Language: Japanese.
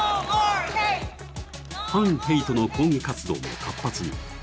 反ヘイトの抗議活動も活発に。